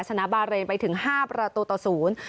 สนามบาร์เรนไปถึง๕ประตูต่อ๐